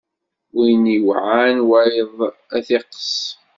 Win iwɛan wayeḍ, ad t-iqqes.